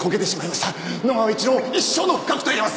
野川一郎一生の不覚と言えます！